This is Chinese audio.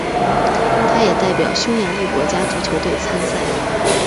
他也代表匈牙利国家足球队参赛。